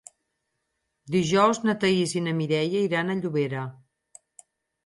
Dijous na Thaís i na Mireia iran a Llobera.